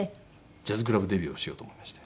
ジャズクラブデビューをしようと思いまして。